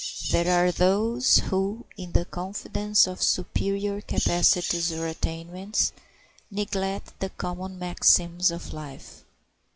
There are those who in the confidence of superior capacities or attainments neglect the common maxims of life.